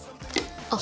あっ。